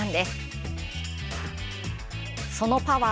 そのパワー